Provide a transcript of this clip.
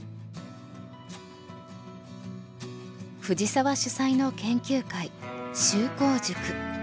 藤沢主宰の研究会秀行塾。